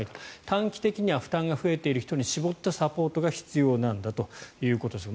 短期的には負担が増えている人に絞ったサポートが必要なんだということです。